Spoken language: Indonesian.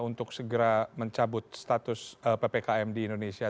untuk segera mencabut status ppkm di indonesia